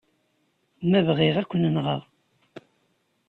Ma bɣiɣ, ad ken-nɣen.